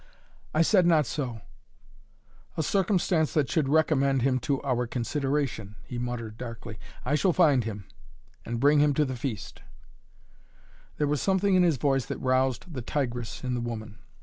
"I said not so " "A circumstance that should recommend him to our consideration," he muttered darkly. "I shall find him and bring him to the feast " There was something in his voice that roused the tigress in the woman.